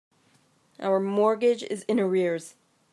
Our mortgage is in arrears.